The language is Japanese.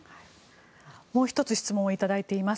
もう１つ質問をいただいています。